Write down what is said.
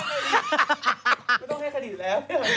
ไม่ต้องให้คดีแล้ว